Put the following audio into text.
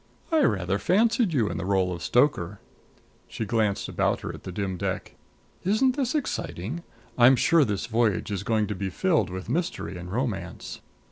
"I rather fancied you in the role of stoker." She glanced about her at the dim deck. "Isn't this exciting? I'm sure this voyage is going to be filled with mystery and romance."